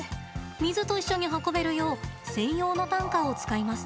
水と一緒に運べるよう専用の担架を使います。